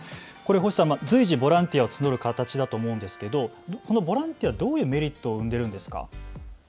随時、ボランティアを募る形だと思うんですけれどもこのボランティア、どういうメリットを生んでいるんですか。